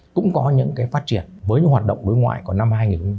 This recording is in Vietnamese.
cũng có những cái phát triển với những hoạt động đối ngoại của năm hai nghìn hai mươi ba